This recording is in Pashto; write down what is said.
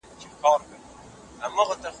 انلاين غوښتنليکونه رسمي چارې اسانه کوي.